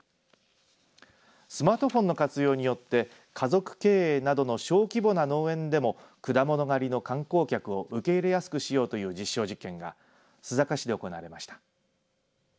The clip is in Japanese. スマートフォンの活用によって家族経営などの小規模な農園でも果物狩りの観光客を受け入れやすくしようという実証実験が須坂市で行われました。